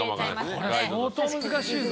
これ相当難しいぞ。